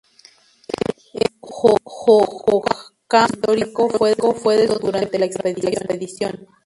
El Hohokam prehistórico fue descubierto durante la expedición.